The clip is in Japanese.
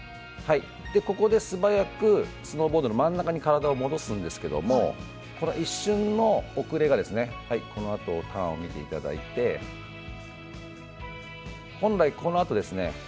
ここですばやくスノーボードの真ん中に体を戻すんですけどこの一瞬の遅れがこのあとターンを見ていただいて本来、このあとですね。